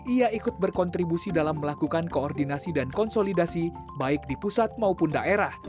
ia ikut berkontribusi dalam melakukan koordinasi dan konsolidasi baik di pusat maupun daerah